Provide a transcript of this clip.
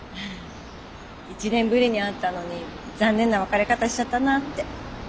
１年ぶりに会ったのに残念な別れ方しちゃったなあって。